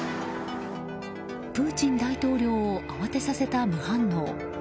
プーチン大統領を慌てさせた無反応。